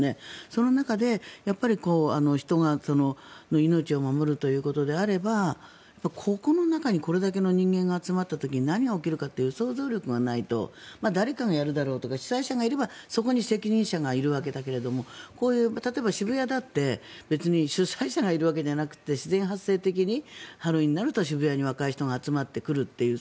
その中で人の命を守るということであればここの中にこれだけの人間が集まった時に何が起きるかという想像力がないと誰かがやるだろうとか主催者がいればそこに責任者がいるわけだけどこういう例えば、渋谷だって別に主催者がいなくて自然発生的にハロウィーンになると渋谷に若い人が集まってくるという。